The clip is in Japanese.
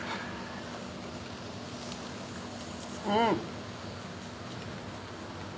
うん！